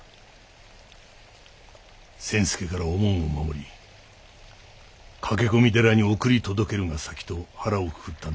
千助からおもんを守り駆け込み寺に送り届けるが先と腹をくくったんだろう。